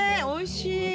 おいしい！